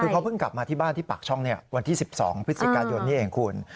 คือเขาเพิ่งกลับมาที่บ้านที่ปากช่องวันที่๑๒พฤศจิกายนนี้เองคุณ